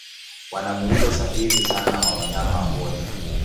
Wana muundo sahili sana wa wanyama wote.